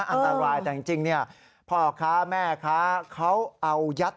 อันตรายแต่จริงพ่อค้าแม่ค้าเขาเอายัด